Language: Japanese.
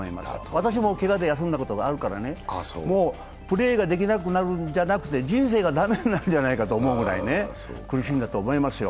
私もけがで休んだことがあるからね、プレーができなくなるんじゃなくて、人生が駄目になるんじゃないかと思うぐらい苦しんだと思いますよ。